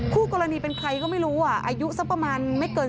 คู่กรณีเป็นใครก็ไม่รู้อ่ะอายุสักประมาณไม่เกิน